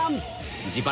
自腹